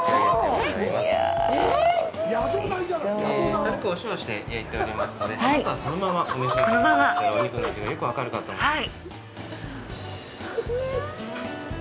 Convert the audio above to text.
軽くお塩をして焼いておりますのでまずはそのままお召し上がりいただいたらお肉の味がよく分かるかと思います。